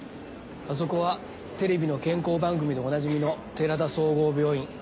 あそこはテレビの健康番組でおなじみの寺田総合病院。